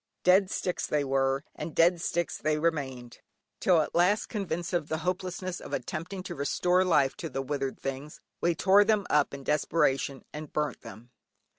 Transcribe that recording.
Dead sticks they were, and dead sticks they remained, till at last convinced of the hopelessness of attempting to restore life to the withered things, we tore them up in desperation and burnt them.